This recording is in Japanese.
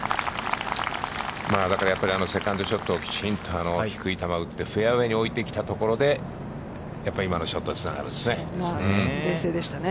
だからやっぱりあのセカンドショットをきちんと低い球を打って、フェアウェイに置いてきたところで、今のショットにつながるんですね。